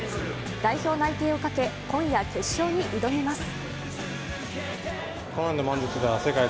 代表内定をかけ、今夜、決勝に挑みます。